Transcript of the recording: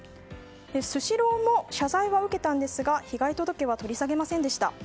スシローも謝罪は受けたんですが被害届は取り下げませんでした。